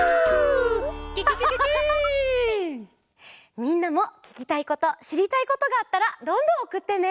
みんなもききたいことしりたいことがあったらどんどんおくってね！